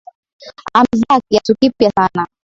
Amevaa kiatu kipya sana.